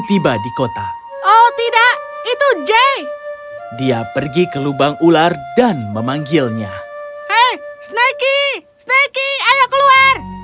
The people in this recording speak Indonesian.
tiba di kota oh tidak itu j dia pergi ke lubang ular dan memanggilnya hey snake snake ayo keluar